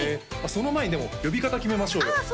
その前にでも呼び方決めましょうよああ